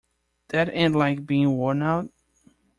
That ain't like being worn out.